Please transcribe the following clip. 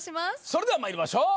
それでは参りましょう。